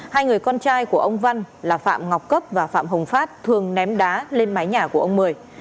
hai người con trai của ông văn là phạm ngọc cấp và phạm hồng phát thường ném đá lên mái nhà của ông mười